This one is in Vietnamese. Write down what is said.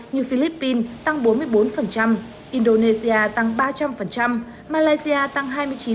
như philippines tăng bốn mươi bốn indonesia tăng ba trăm linh malaysia tăng hai mươi chín